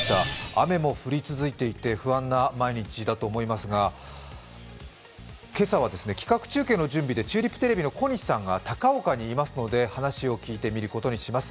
雨も降り続いていて、不安な毎日だと思いますが、今朝は企画中継の準備でチューリップテレビの小西さんが高岡にいますので話を聞いてみることにします。